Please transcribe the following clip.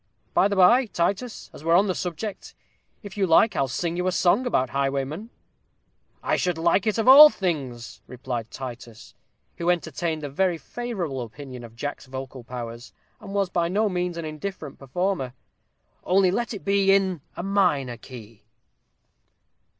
By the by, Titus, as we're upon the subject, if you like I'll sing you a song about highwaymen." "I should like it of all things," replied Titus, who entertained a very favorable opinion of Jack's vocal powers, and was by no means an indifferent performer; "only let it be in a minor key."